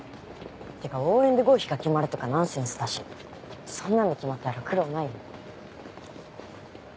ってか応援で合否が決まるとかナンセンスだしそんなんで決まったら苦労ないよ。